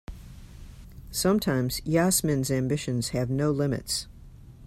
Sometimes Yasmin's ambitions have no limits.